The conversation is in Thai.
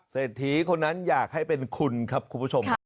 เศรษฐีคนนั้นอยากให้เป็นคุณครับคุณผู้ชมครับ